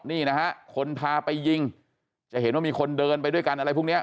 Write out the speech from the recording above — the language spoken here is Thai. นี่นะฮะคนพาไปยิงจะเห็นว่ามีคนเดินไปด้วยกันอะไรพวกนี้